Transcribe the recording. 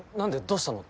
どうしたの？